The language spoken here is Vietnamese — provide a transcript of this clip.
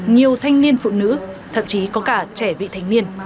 nhiều thanh niên phụ nữ thậm chí có cả trẻ vị thành niên